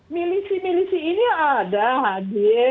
milisi milisi ini ada hadir